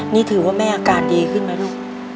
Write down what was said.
นี่ถือว่าแม่อาการดีขึ้นไหมลูก